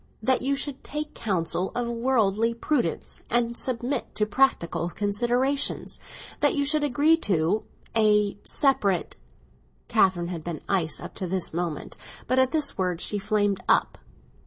"That you should take counsel of worldly prudence, and submit to practical considerations. That you should agree to—a—separate." Catherine had been ice up to this moment, but at this word she flamed up.